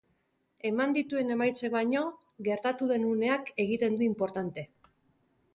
Eman dituen emaitzek baino, gertatu den uneak egiten du inportante.